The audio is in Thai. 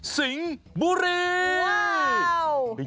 สิงบุรี